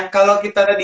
kalau kita ada dia